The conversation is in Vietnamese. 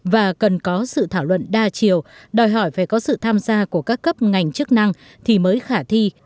và cần có sự thảo luận đa chiều đòi hỏi phải có sự tham gia của các cấp ngành chức năng thì mới khả thi